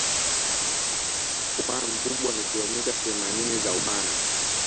Upana mkubwa ni kilometa themanini za upana